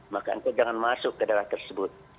maka engkau jangan masuk ke daerah tersebut